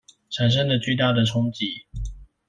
產生了巨大的衝擊